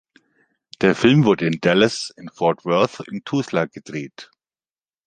Der Film wurde in Dallas, in Fort Worth und in Tulsa gedreht.